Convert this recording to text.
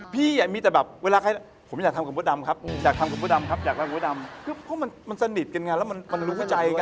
พี่อยากให้มดดำมาทำรายการนี้กับพี่